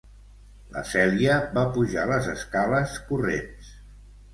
La Celia va pujar las escales corrents.